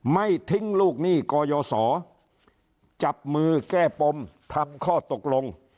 ไม่ทิ้งลูกหนี้กยศจับมือแก้ปมทำข้อตกลง